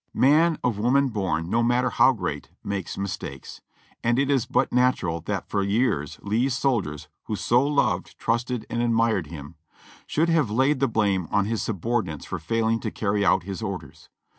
Man of woman born, no matter how great, makes mistakes, and it is but natural that for years Lee's soldiers, who so loved, trusted and admired him, should have laid the blame on his subordinates for failing to carry out his orders.